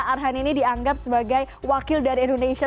arhan ini dianggap sebagai wakil dari indonesia